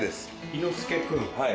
猪之助君。